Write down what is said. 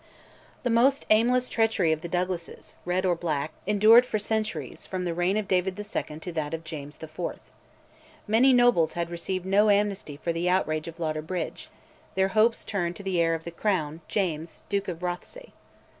The almost aimless treachery of the Douglases, Red or Black, endured for centuries from the reign of David II. to that of James VI. Many nobles had received no amnesty for the outrage of Lauder Bridge; their hopes turned to the heir of the Crown, James, Duke of Rothesay.